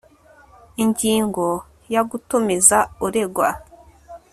ingingo ya gutumiza uregwa